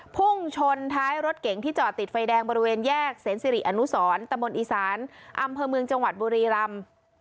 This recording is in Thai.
พุ่งชนท้ายรถเก๋งที่จอดติดไฟแดงบริเวณแยกเสนสิริอนุสรตะมนต์อีสานอำเภอเมืองจังหวัดบุรีรำ